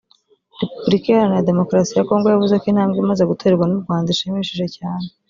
Repubulika Iharanaira Demokarasi ya Congo yavuze ko intambwe imaze guterwa n’u Rwanda ishimishije cyane